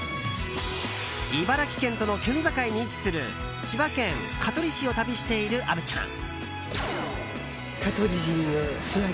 茨城県との県境に位置する千葉県香取市を旅している虻ちゃん。